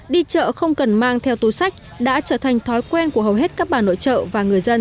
đi chợ không cần mang theo túi sách đã trở thành thói quen của hầu hết các bà nội trợ và người dân